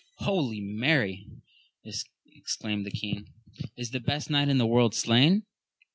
Holy Mary ! exclaimed the king, is the best knight in the world slain